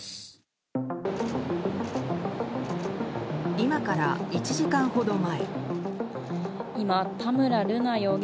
今から１時間ほど前。